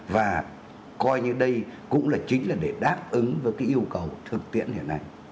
và coi như đây cũng là chính là để đáp ứng với cái yêu cầu thực tiễn hiện nay